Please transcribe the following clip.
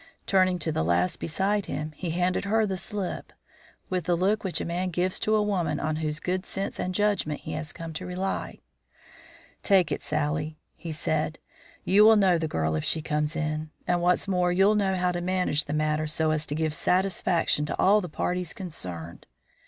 Turning to the lass beside him, he handed her the slip, with the look which a man gives to a woman on whose good sense and judgment he has come to rely. "Take it, Sally," he said. "You will know the girl if she comes in, and, what's more, you'll know how to manage the matter so as to give satisfaction to all the parties concerned.